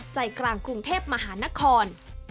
ใจกลางกรุงเทพมหานคร